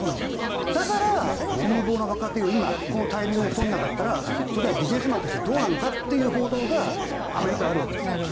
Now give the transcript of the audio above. だから有望な若手をこのタイミングで取らなかったらそれはビジネスマンとしてどうなのかという報道がアメリカにはあるわけです。